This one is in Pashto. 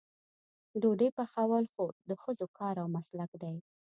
ډوډۍ پخول خو د ښځو کار او مسلک دی.